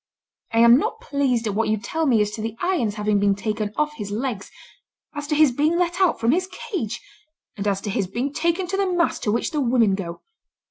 I am not pleased at what you tell me as to the irons having been taken off his legs, as to his being let out from his cage, and as to his being taken to the mass to which the women go.